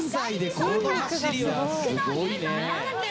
すごいね。